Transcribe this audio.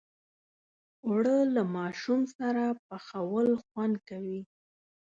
اوړه له ماشوم سره پخول خوند کوي